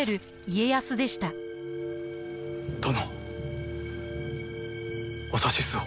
殿お指図を。